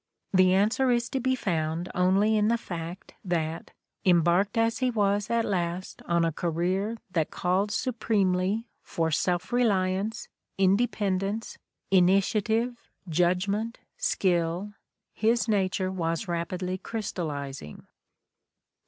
The answer is to be found only in the fact that, em barked as he was at last on a career that called su premely for self reliance, independence, initiative, judg ment, skill, his nature was rapidly crystallizing.